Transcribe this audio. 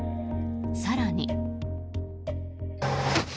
更に。